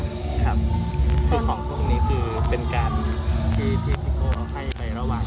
ครับคือของพวกนี้คือเป็นการที่พี่พิโกะเอาให้ไประหว่าง